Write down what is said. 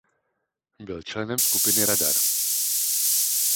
Byl členem skupiny Radar.